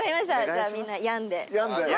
じゃあみんな「やん」で。